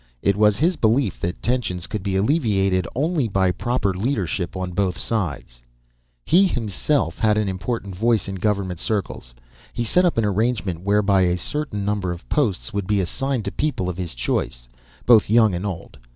It was his belief that tensions could be alleviated only by proper leadership on both sides. "He himself had an important voice in government circles. He set up an arrangement whereby a certain number of posts would be assigned to people of his choice, both young and old.